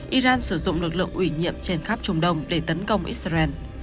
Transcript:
iran sử dụng lực lượng ủy nhiệm trên khắp trung đông để tấn công israel